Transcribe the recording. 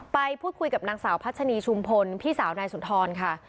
ไปพูดคุยกับนางสาวพัชนีชุมพลพี่สาวนายสุนทรค่ะ